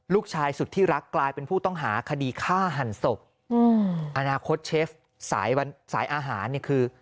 ลูกชายสุดที่รักกลายเป็นผู้ต้องหาคดีฆ่าหันศพอนาคตเชฟสายวันสายอาหารเนี่ยคือ